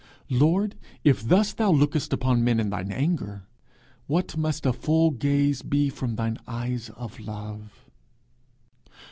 Lord, if thus thou lookest upon men in thine anger, what must a full gaze be from thine eyes of love!